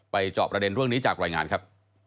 จอบประเด็นเรื่องนี้จากรายงานครับ